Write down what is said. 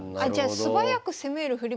素早く攻める振り